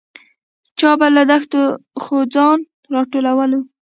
چا به له دښتو ځوځان راټولول.